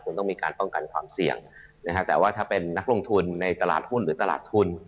ต้องมีการป้องกันความเสี่ยงนะฮะแต่ว่าถ้าเป็นนักลงทุนในตลาดหุ้นหรือตลาดทุน